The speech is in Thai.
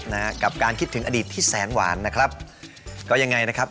นะฮะกับการคิดถึงอดีตที่แสนหวานนะครับก็ยังไงนะครับ